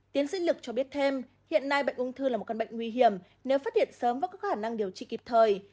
tiến sĩ lực cho biết thêm hiện nay bệnh ung thư là một căn bệnh nguy hiểm nếu phát hiện sớm và có khả năng điều trị kịp thời